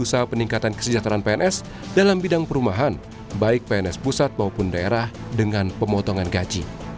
usaha peningkatan kesejahteraan pns dalam bidang perumahan baik pns pusat maupun daerah dengan pemotongan gaji